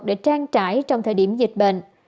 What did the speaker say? để trang trải trong thời điểm dịch bệnh